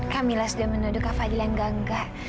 kamilah sudah menuduh kak fadil yang gangga